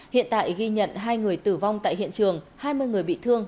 hiện tại ghi nhận hai người tử vong tại hiện trường hai mươi người bị thương